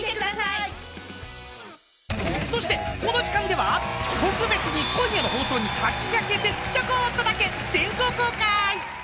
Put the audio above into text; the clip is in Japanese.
［そしてこの時間では特別に今夜の放送に先駆けてちょこっとだけ先行公開］